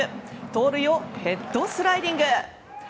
盗塁をヘッドスライディング！